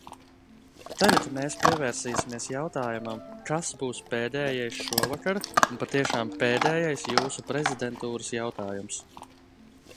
Tagad mēs pievērsīsimies jautājumam, kas būs pēdējais šovakar un patiešām pēdējais jūsu prezidentūras jautājums.